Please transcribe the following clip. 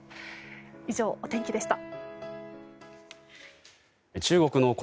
以上、お天気でした。